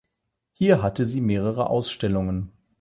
Hier hatte sie mehrere Ausstellungen.